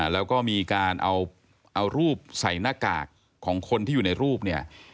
แล้วก็มีการเอารูปใส่หน้ากากของคนที่อยู่ในรูปเนี่ย